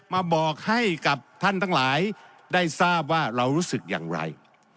มาบอกให้กับท่านทั้งหลายได้ทราบว่าเรารู้สึกอย่างไร